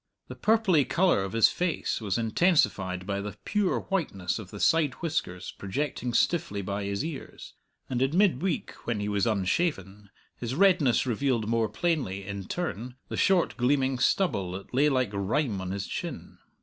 The purply colour of his face was intensified by the pure whiteness of the side whiskers projecting stiffly by his ears, and in mid week, when he was unshaven, his redness revealed more plainly, in turn, the short gleaming stubble that lay like rime on his chin.